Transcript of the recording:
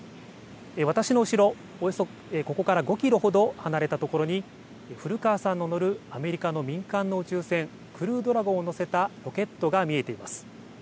私の後ろ、およそここから５キロほど離れたところに古川さんの乗るアメリカの民間の宇宙船、クルードラゴンを載せたロケットが見えています。